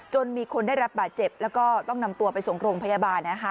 มีคนได้รับบาดเจ็บแล้วก็ต้องนำตัวไปส่งโรงพยาบาลนะคะ